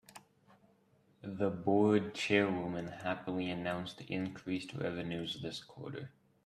The board chairwoman happily announced increased revenues this quarter.